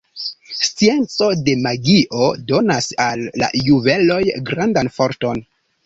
Scienco de magio donas al la juveloj grandan forton.